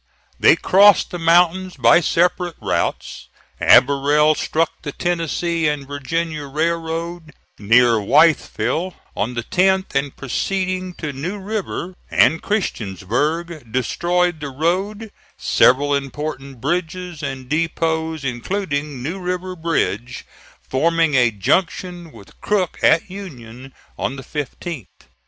They crossed the mountains by separate routes. Averell struck the Tennessee and Virginia Railroad, near Wytheville, on the 10th, and proceeding to New River and Christiansburg, destroyed the road, several important bridges and depots, including New River Bridge, forming a junction with Crook at Union on the 15th.